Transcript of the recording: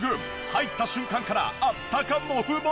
入った瞬間からあったかモフモフ！